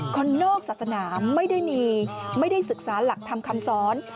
คนนอกศาสนาไม่ได้มีไม่ได้ศึกษาหลักธรรมคำสอน